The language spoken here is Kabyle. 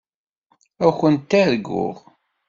Ad kent-arguɣ.